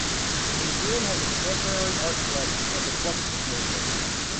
The museum has a contemporary art collection of the Fluxus movement.